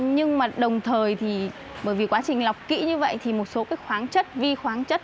nhưng mà đồng thời thì bởi vì quá trình lọc kỹ như vậy thì một số cái khoáng chất vi khoáng chất